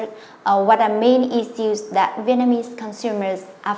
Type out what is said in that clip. chúng ta nghe nói về những vấn đề doanh nghiệp